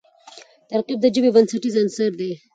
ترکیب د ژبي بنسټیز عنصر دئ.